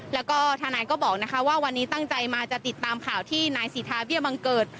แล้วก็ทนายก็บอกว่าวันนี้ตั้งใจมาจะติดตามข่าวที่นายสิทธาเบี้ยบังเกิด